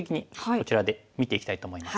こちらで見ていきたいと思います。